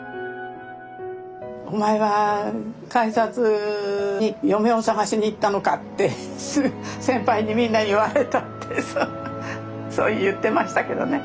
「お前は改札に嫁を探しにいったのか」って先輩にみんなに言われたってそう言ってましたけどね。